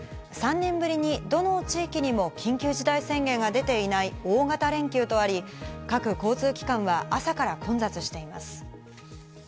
３年ぶりにどの地域にも緊急事態宣言が出ていない大型連休とあり、各交通機関は朝から混雑しています。